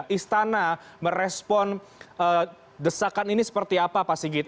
istana merespon desakan ini seperti apa pak sigit